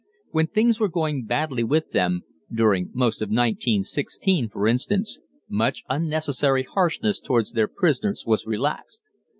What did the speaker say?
When things were going badly with them during most of 1916, for instance much unnecessary harshness towards their prisoners was relaxed.